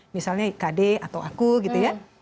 misalnya kd atau aku gitu ya